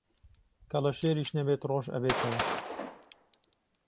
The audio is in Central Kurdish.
کەڵەشێریش نەبێت ڕۆژ ئەبێتەوە